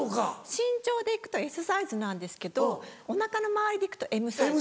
身長で行くとＳサイズなんですけどお腹の回りで行くとＭサイズ。